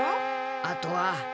あとは。